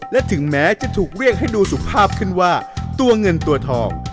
และถึงแม้จะถูกเรียกให้ดูสุภาพขึ้นว่าตัวเงินตัวทอง